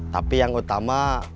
tapi yang utama